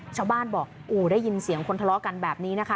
ชาวบ้านบอกได้ยินเสียงคนทะเลาะกันแบบนี้นะคะ